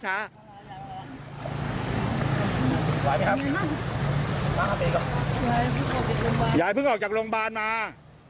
ยายเพิ่งออกจากโรงพยาบาลมา